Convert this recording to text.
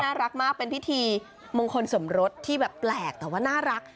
น่ารักมากเป็นพิธีมงคลสมรสที่แบบแปลกแต่ว่าน่ารัก